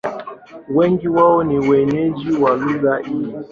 Wengi wao ni wenyeji wa lugha hii.